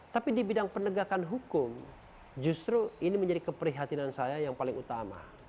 tapi di bidang penegakan hukum justru ini menjadi keprihatinan saya yang paling utama